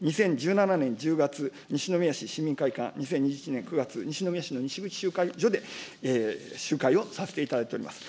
２０１７年１０月、西宮市市民会館、年９月、西宮市の西口集会所で集会をさせていただいております。